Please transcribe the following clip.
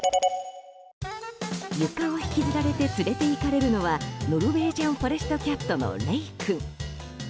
床を引きずられて連れていかれるのはノルウェージャンフォレストキャットのレイ君。